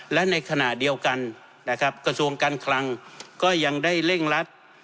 และในขณะเดียวกันนะครับกระทรวงการคลังก็ยังได้เร่งรัด